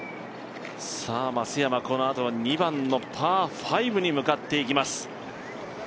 松山、このあとは２番のパー５に向かっていきます。